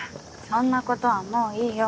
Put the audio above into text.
そんなことはもういいよ。